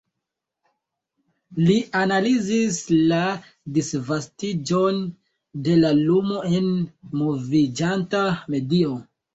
Li analizis la disvastiĝon de la lumo en moviĝanta medio.